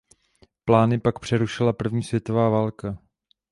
Plány pak přerušila první světová válka.